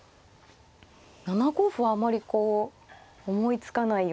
７五歩はあまりこう思いつかないような一手。